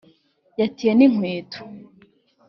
yatiye n'inkweto